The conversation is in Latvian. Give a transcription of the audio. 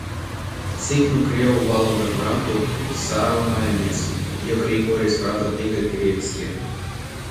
Cik nu krievu valodā pratu, sarunājāmies, jo Grigorijs prata tikai krieviski.